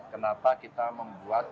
kenapa kita membuat